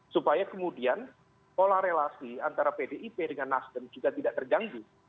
supaya kemudian pola relasi antara pdip dengan nasdem juga tidak terganggu